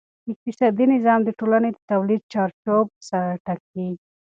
اقتصادي نظام د ټولنې د تولید چارچوب ټاکي.